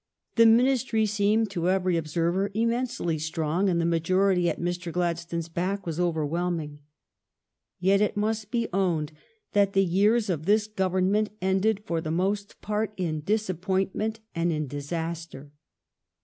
The ministry seemed to every observer immensely strong, and the majority at Mr. Glad stone s back was overwhelming. Yet it must be owned that the years of this Government ended for the most part in disappointment and in dis aster.